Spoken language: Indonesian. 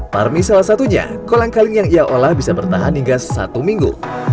parmi salah satunya kolang kaling yang ia olah bisa bertahan hingga satu minggu